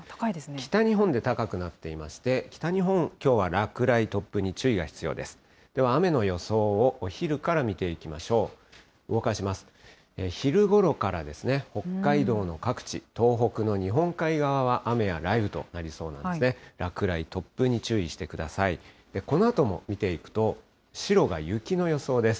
北日本で高くなっていまして、北日本、きょうは落雷、突風に注意が必要です。